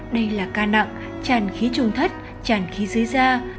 đây là ca nặng tràn khí trung thất tràn khí dưới da